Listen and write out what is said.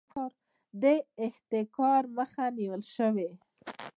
د احتکار مخه نیول شوې؟